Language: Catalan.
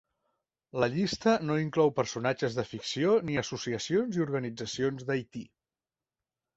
La llista no inclou personatges de ficció ni associacions i organitzacions d'Haití.